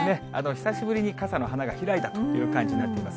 久しぶりに傘の花が開いたという感じになっています。